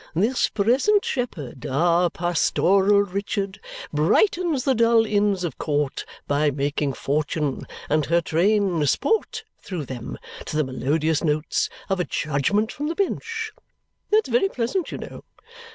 This present shepherd, our pastoral Richard, brightens the dull Inns of Court by making Fortune and her train sport through them to the melodious notes of a judgment from the bench. That's very pleasant, you know!